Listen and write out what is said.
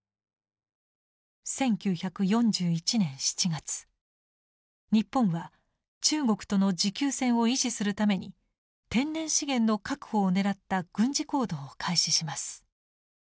１９４１年７月日本は中国との持久戦を維持するために天然資源の確保を狙った軍事行動を開始します。